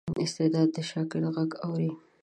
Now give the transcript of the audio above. استاد د شاګرد غږ اوري.